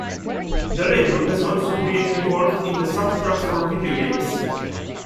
The label has also been involved in the soundtracks for videogames.